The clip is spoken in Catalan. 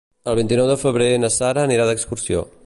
El vint-i-nou de febrer na Sara anirà d'excursió.